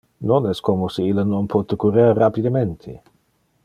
Non es como si ille non pote currer rapidemente.